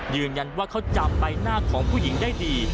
ยืนยันว่าเขาจำใบหน้าของผู้หญิงได้ดี